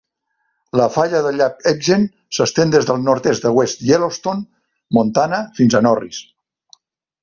La falla del llac Hebgen s'estén des del nord-est de West Yellowstone, Montana, fins a Norris.